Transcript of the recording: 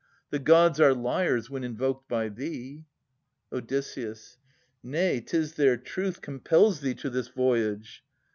The gods are liars when invoked by thee. Od. Nay, 'tis their truth compels thee to this voyage.